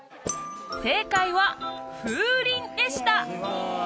正解は「風鈴」でした